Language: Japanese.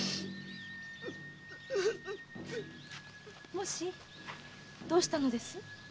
・もしどうしたのです？